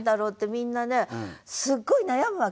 みんなねすごい悩むわけ。